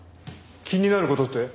気になる事って？